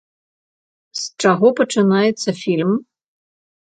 З чаго пачынаецца фільм?